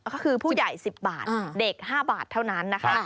ก็คือผู้ใหญ่๑๐บาทเด็ก๕บาทเท่านั้นนะคะ